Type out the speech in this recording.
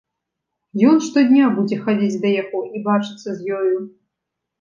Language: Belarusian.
Ён штодня будзе хадзіць да яго і бачыцца з ёю.